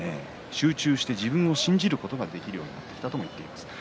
集中して自分を信じることができるようになってきたとも言っています。